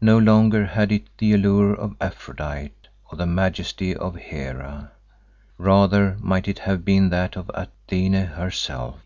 No longer had it the allure of Aphrodite or the majesty of Hera; rather might it have been that of Athene herself.